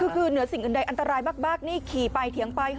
คือเหนือสิ่งอื่นใดอันตรายมากนี่ขี่ไปเถียงไป